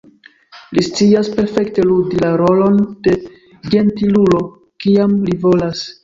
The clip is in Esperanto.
Li scias perfekte ludi la rolon de ĝentilulo, kiam li volas.